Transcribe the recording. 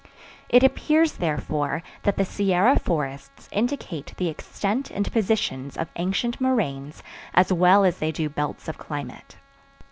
It appears, therefore, that the Sierra forests indicate the extent and positions of ancient moraines as well as they do belts of climate.